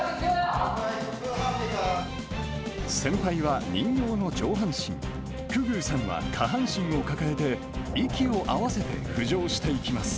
先輩は人形の上半身、久々宇さんは下半身を抱えて、息を合わせて浮上していきます。